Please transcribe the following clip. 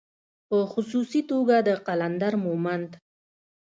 په خصوصي توګه د قلندر مومند